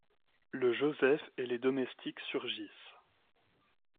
Le Joseph et les domestiques surgissent.